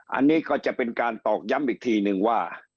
อันนี้ก็จะเป็นการตอกย้ำอีกทีนึงว่า